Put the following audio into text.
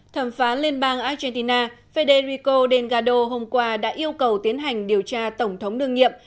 thẩm phán liên bang argentina federiko dengado hôm qua đã yêu cầu tiến hành điều tra tổng thống đương nhiệm